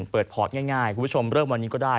พอร์ตง่ายคุณผู้ชมเริ่มวันนี้ก็ได้